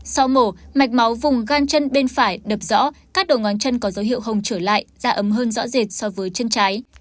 sau mổ mạch máu vùng gan chân bên phải đập rõ các đầu ngóng chân có dấu hiệu hồng trở lại da ấm hơn rõ rệt so với chân trái